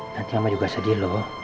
nanti sama juga sedih loh